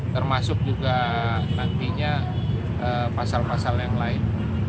termasuk juga nantinya pasal pasal yang lain